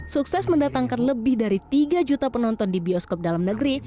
sukses mendatangkan lebih dari tiga juta penonton di bioskop dalam negeri